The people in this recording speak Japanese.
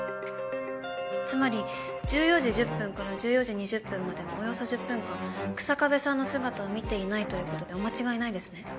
つまり１４時１０分から１４時２０分までのおよそ１０分間日下部さんの姿を見ていないということでお間違いないですね？